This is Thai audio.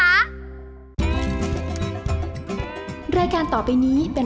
สวัสดีครับพ่อแม่ผีน้อง